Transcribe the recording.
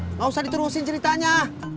enggak usah diturusin ceritanya